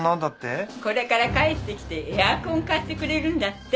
これから帰ってきてエアコン買ってくれるんだって。